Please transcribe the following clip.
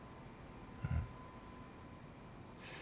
うん。